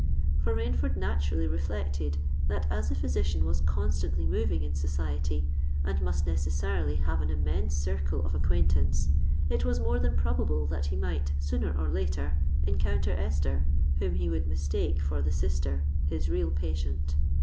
For Rainford naturally reflected, that as the physician was constantly moving in society, and must necessarily have an immense circle of acquaintance, it was more than probable that he might, sooner or later, encounter Esther, whom he would mistake for the sister—his real patient.